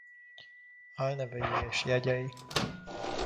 Álnevei és jegyei.